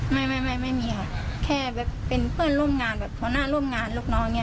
ไม่ไม่ไม่มีค่ะแค่แบบเป็นเพื่อนร่วมงานแบบหัวหน้าร่วมงานลูกน้องเนี่ย